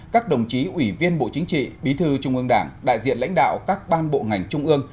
các đồng chí ủy viên bộ chính trị bí thư trung ương đảng đại diện lãnh đạo các ban bộ ngành trung ương